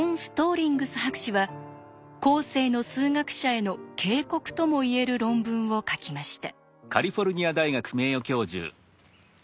リングス博士は後世の数学者への警告とも言える論文を書きました。